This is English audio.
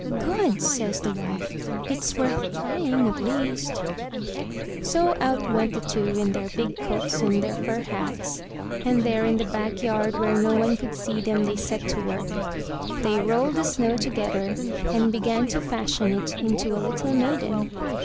'' ''Good!" says the wife. "It's worth trying at least." So out went the two in their big coats and their fur hats, and there in the back yard where no one 230 UP ONE PAIR OF STAIRS could see them, they set to work. They rolled the snow together and began to fashion it into a little maiden.